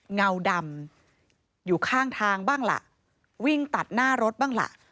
เงาดำอยู่ข้างทางบ้างล่ะวิ่งตัดหน้ารถบ้างล่ะ